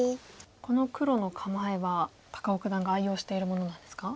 この黒の構えは高尾九段が愛用しているものなんですか？